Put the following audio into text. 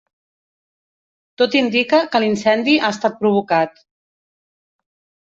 Tot indica que l'incendi ha estat provocat